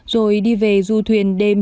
rồi đi về du thuyền đêm